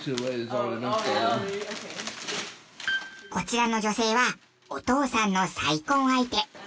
こちらの女性はお父さんの再婚相手。